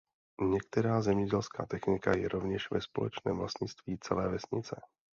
Některá zemědělská technika je rovněž ve společném vlastnictví celé vesnice.